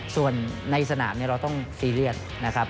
ส่วนในสนามเราต้องซีเรียสนะครับ